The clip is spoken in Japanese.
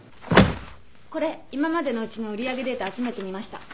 これ今までのうちの売り上げデータ集めてみました。